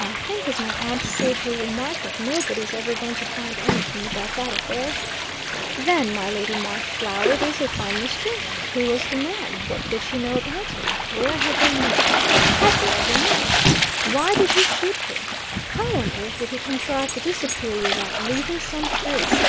I think, as my aunt sagely remarked, that nobody is ever going to find anything about that affair! Then my Lady Marshflower there's a fine mystery! Who was the man? What did she know about him? Where had they met? Had they ever met? Why did he shoot her? How on earth did he contrive to disappear without leaving some trace?